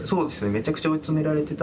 めちゃくちゃ追い詰められてた。